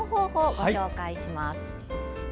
ご紹介します。